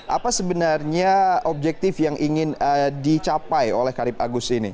apa sebenarnya objektif yang ingin dicapai oleh karip agus ini